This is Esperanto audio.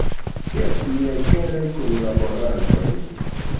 Jes, miaj karaj kunlaborantoj!